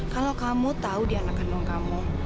kalau kamu tau di anak kandung kamu